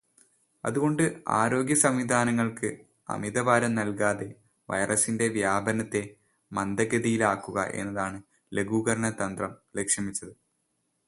അതുകൊണ്ട് ആരോഗ്യസംവിധാനങ്ങൾക്ക് അമിതഭാരം നൽകാതെ വൈറസിന്റെ വ്യാപനത്തെ മന്ദഗതിയിലാക്കുക എന്നതാണ് ലഘൂകരണതന്ത്രം ലക്ഷ്യം വെച്ചത്.